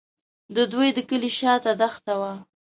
د دوی د کلي شاته دښته وه.